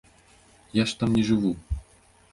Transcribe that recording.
Я ж там не жыву.